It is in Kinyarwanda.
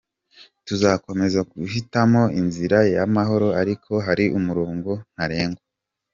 Tuzakomeza guhitamo inzira y’amahoro ariko hari umurongo ntarengwa.